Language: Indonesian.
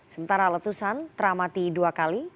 sementara letusan teramati dua kali